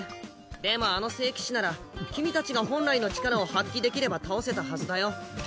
でもあの聖騎士なら君たちが本来の力を発揮できれば倒せたはずだよ。